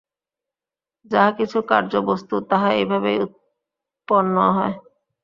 যাহা কিছু কার্যবস্তু, তাহা এইভাবেই উৎপন্ন হয়।